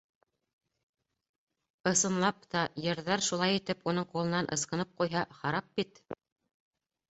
Ысынлап та, ерҙәр шулай итеп уның ҡулынан ысҡынып ҡуйһа, харап бит.